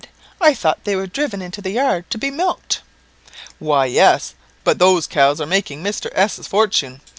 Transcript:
I thought they were driven into the yard to be milked." "Why, yes; but those cows are making Mr. 's fortune.